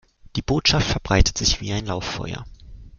Die Botschaft verbreitet sich wie ein Lauffeuer.